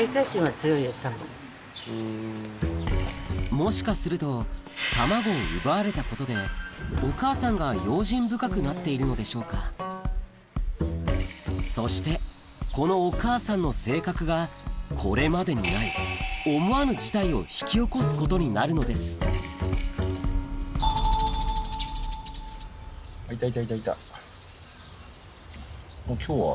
もしかするとお母さんがそしてこのお母さんの性格がこれまでにない思わぬ事態を引き起こすことになるのですいたいたいたいた。